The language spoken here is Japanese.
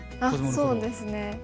あっそうですね。